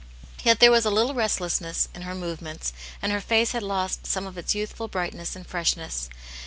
Yet there was a little restlessness in her movements, and her face had lost some of its youthful brightness and freshness.